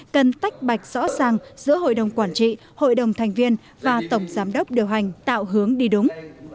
cần tách bạch rõ ràng giữa hội đồng quản trị hội đồng thành viên và tổng giám đốc điều hành tạo hướng đi đúng